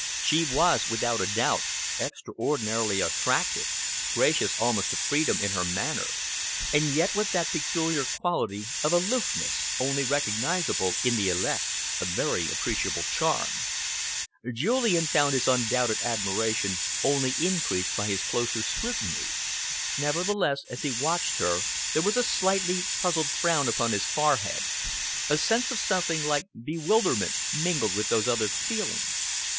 She was, without a doubt, extraordinarily attractive, gracious almost to freedom in her manner, and yet with that peculiar quality of aloofness only recognisable in the elect, a very appreciable charm. Julian found his undoubted admiration only increased by his closer scrutiny. Nevertheless, as he watched her, there was a slightly puzzled frown upon his forehead, a sense of something like bewilderment mingled with those other feelings.